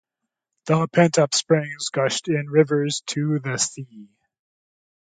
The pent-up springs gushed in rivers to the sea.